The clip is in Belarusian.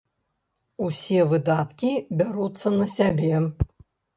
Усе выдаткі бяруцца на сябе.